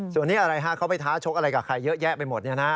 ส่วนนี้อะไรฮะเขาไปท้าชกอะไรกับใครเยอะแยะไปหมด